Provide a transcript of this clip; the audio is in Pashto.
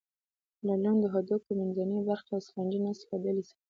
د لنډو هډوکو منځنۍ برخه د سفنجي نسج له ډلې څخه ده.